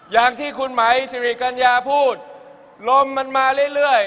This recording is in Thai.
อย่างที่คุณไหมสิริกัญญาพูดลมมันมาเรื่อย